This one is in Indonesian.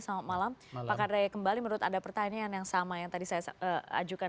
selamat malam pakar daya kembali menurut ada pertanyaan yang sama yang tadi saya ajukan